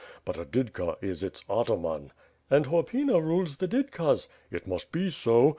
But a didka is its ataman.'^ "And Horpyna rules the didkas." "It must be so.